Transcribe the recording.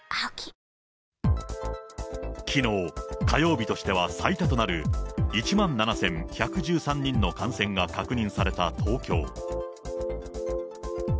火曜日としては最多となる１万７１１３人の感染が確認された東京。